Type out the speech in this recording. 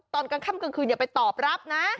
ตอนกลางค่ำกลางคืนอย่าไปตอบรับนะ